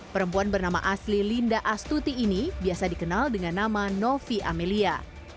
perempuan bernama asli linda astuti ini biasa dikenal dengan nama novi amelia